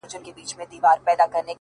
راته را يې کړې په لپو کي سندرې-